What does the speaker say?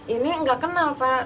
ini nggak kenal pak